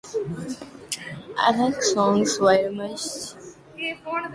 All songs were performed by Cayabyab himself.